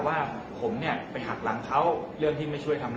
แล้วก็พอเล่ากับเขาก็คอยจับอย่างนี้ครับ